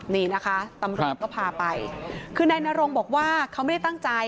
นี่นะคะตำรวจก็พาไปคือนายนรงบอกว่าเขาไม่ได้ตั้งใจ